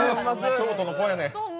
京都の子やねん。